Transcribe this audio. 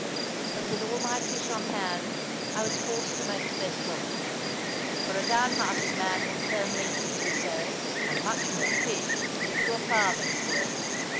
But with all my fish on hand, I was forced to make the best of it. For a down hearted man will turn meat, as we say, and much more, fish, to a farthing's worth.